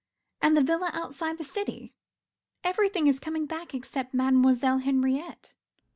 And the villa outside the city. Everything is coming back except Mademoiselle Henriette.